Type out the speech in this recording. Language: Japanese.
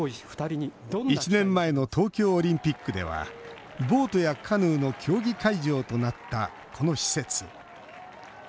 １年前の東京オリンピックではボートやカヌーの競技会場となったこの施設。